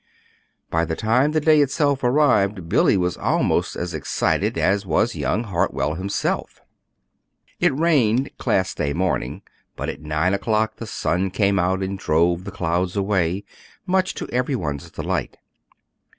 By the time the day itself arrived Billy was almost as excited as was young Hartwell himself. It rained Class Day morning, but at nine o'clock the sun came out and drove the clouds away, much to every one's delight.